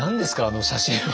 あの写真は。